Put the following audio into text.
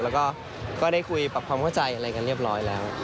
แล้วก็ได้คุยปรับความเข้าใจอะไรกันเรียบร้อยแล้ว